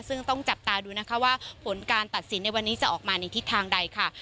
ซึ่งต้องจับตาดูนะคะว่าผลการตัดสินในวันนี้จะออกมาในทิศทางใดค่ะ